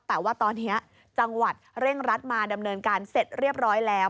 แต่ว่าตอนนี้จังหวัดเร่งรัดมาดำเนินการเสร็จเรียบร้อยแล้ว